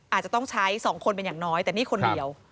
อาจจะต้องใช้๒คนเป็นอย่างน้อยแต่นี่คนเดียว